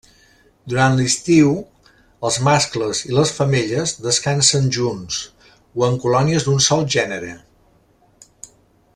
Durant l'estiu, els mascles i les femelles descansen junts o en colònies d'un sol genere.